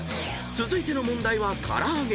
［続いての問題は唐揚げ。